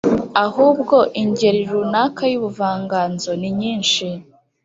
ahubwo ingeri runaka y’ubuvanganzo ninyinshi